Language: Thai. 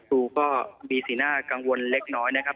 ครูก็มีสีหน้ากังวลเล็กน้อยนะครับ